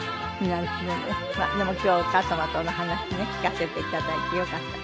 でも今日はお母様との話ね聞かせていただいてよかった。